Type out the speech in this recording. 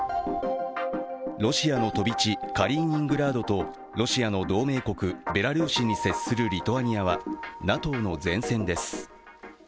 ロシアの飛び地カリーニングラードと、ロシアの同盟国、ベラルーシに接するリトアニアはＮＡＴＯの前線です。